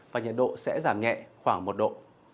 và nhiệt độ sẽ giảm nhẹ khoảng một độ